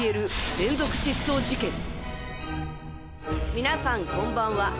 皆さんこんばんは。